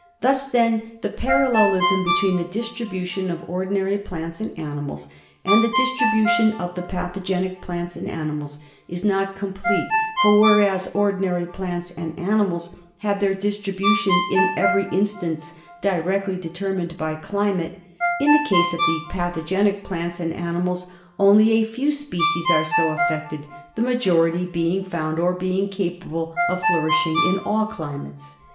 7 Thus, then, the parallelism between the distribution of ordinary plants and animals, and the distribution of the pathogenic plants and animals, is not complete ; for whereas ordinary plants and animals have their distribution in every instance directly determined by climate, in the case of the pathogenic plants and animals only a few species are so affected, the majority being found, or being capable of flourishing, in all climates.